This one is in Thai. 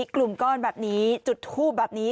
กลุ่มก้อนแบบนี้จุดทูบแบบนี้